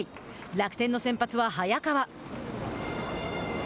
楽天の先発は早川。